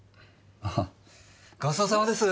ああごちそうさまです。